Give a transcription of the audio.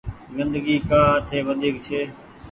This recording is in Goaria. گندگي ڪآ اٺي وڍيڪ ڇي۔